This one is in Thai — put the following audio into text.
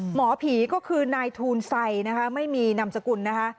หมอผีก็คือนายทูลไซนะคะไม่มีนามสกุลนะคะ